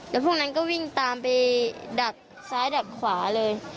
แล้วพวกนั้นก็วิ่งตามไปดักซ้ายดักขวาเลย